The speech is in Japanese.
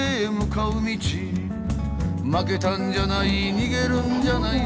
「負けたんじゃない逃げるんじゃないさ」